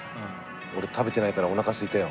俺食べてないからおなかすいたよ。